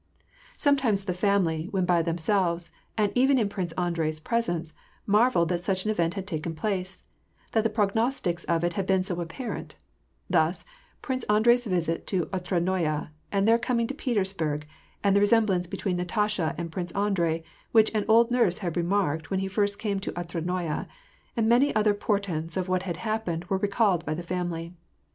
Sometimes the family, when by themselves, and even in Prince Andrei's presence, marvelled that such an event had taken place, —that the prognostics of it had been so apparent : thus, Prince Andrei's visit to Otradnoye, and their coming to Petersburg, and the resemblance between Natasha and Prince Andrei, which an old nurse had remarked, when he first came to Otradnoye, and many other portents of what had happened were recalled by the family.